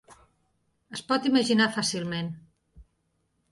Es pot imaginar fàcilment.